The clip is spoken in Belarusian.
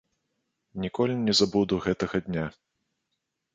Ніколі не забуду гэтага дня.